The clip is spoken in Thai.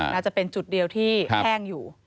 น่าจะเป็นจุดเดียวที่แห้งอยู่